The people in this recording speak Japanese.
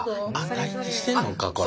待機してんのかこれ。